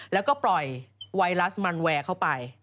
แล้วก็ปล่อยไวรัสมันแวร์เข้าไป